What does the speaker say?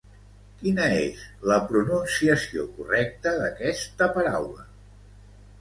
Quina és la pronunciació correcta d'aquesta paraula?